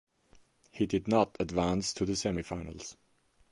He did not advance to the semifinals.